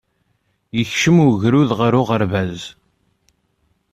Yekcem wegrud ɣer uɣerbaz.